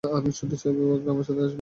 আমি চাই শুধু অভিভাবকরা আমার সাথে আসবে।